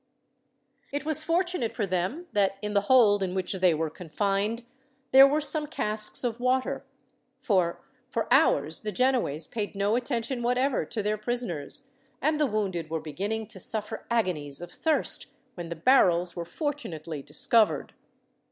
It was fortunate for them that in the hold, in which they were confined, there were some casks of water; for, for hours the Genoese paid no attention whatever to their prisoners, and the wounded were beginning to suffer agonies of thirst, when the barrels were fortunately discovered.